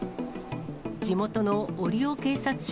地元の折尾警察署